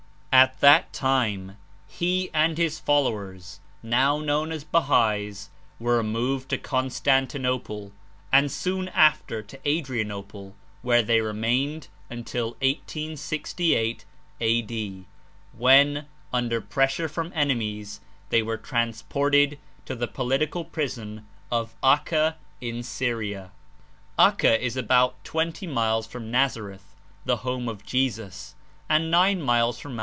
At that time he and his followers^ now known as Bahais, were removed to Constantinople and soon after to Adrianople, where they remained until 1868 A. D. when, under pressure from enemies, they were transported to the political prison of Acca in Syria. Acca is about twenty miles from Nazareth, the home of Jesus, and nine miles from Mt.